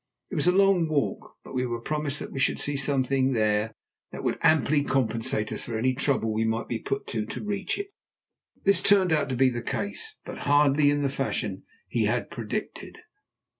It was a long walk, but we were promised that we should see something there that would amply compensate us for any trouble we might be put to to reach it. This turned out to be the case, but hardly in the fashion he had predicted.